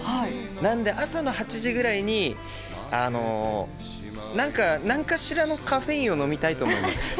なんで、朝の８時ぐらいになんか、なんかしらのカフェインを飲みたいと思います。